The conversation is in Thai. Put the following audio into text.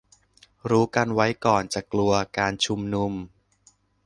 รู้กันไว้ก่อนจะกลัว การชุมนุม